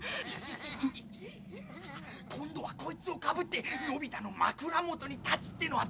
今度はコイツをかぶってのび太の枕元に立つってのはどうだ？